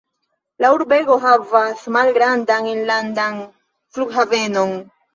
La urbego havas malgrandan enlandan flughavenon.